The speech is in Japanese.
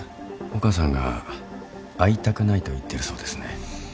お母さんが会いたくないと言ってるそうですね。